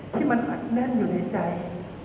ที่มันอัดแน่นอยู่ในใจ